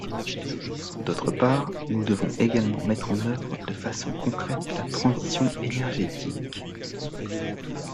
D’autre part, nous devons également mettre en œuvre de façon concrète la transition énergétique.